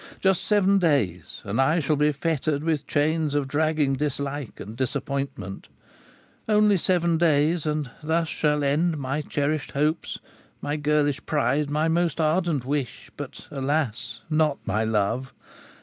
"Just seven days and I shall be fettered with chains of dragging dislike and disappointment! Only seven days and thus shall end my cherished hopes, my girlish pride, my most ardent wish, but, alas! not my love!